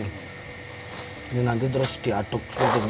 ini nanti terus diaduk